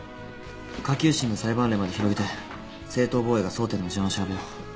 下級審の裁判例まで広げて正当防衛が争点の事案を調べよう。